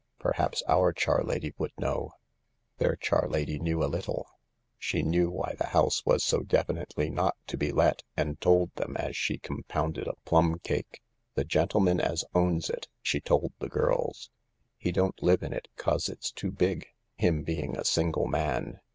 " Perhaps our charlady would know ?" Their charlady knew a little. She knew why the house was so definitely not to be let, and told them as she com pounded a plum cake. "The gentleman as owns it," she told the girls, "he don't live in it 'cause it's too big, him being a single man.